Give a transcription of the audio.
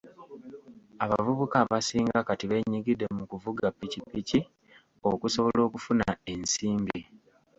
Abavubuka abasinga kati beenyigidde mu kuvuga ppikipiki okusobola okufuna ensimbi.